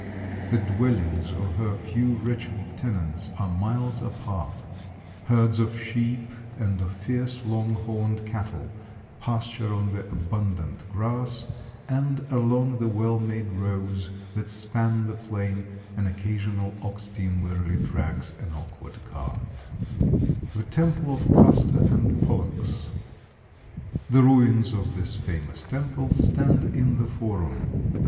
The dwellings of her few wretched tenants are miles apart. Herds of sheep and of fierce long horned cattle pasture on the abundant grass, and along the well made roads that span the plain an occasional ox team wearily drags an awkward cart. [Illustration: THE TEMPLE OF CASTOR AND POLLUX The ruins of this famous temple stand in the Forum.